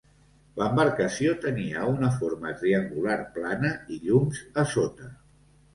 L'embarcació tenia una forma triangular plana i llums a sota.